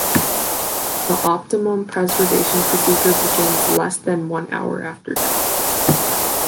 The optimum preservation procedure begins less than one hour after death.